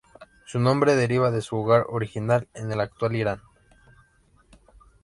Su nombre deriva de su hogar original en el actual Irán.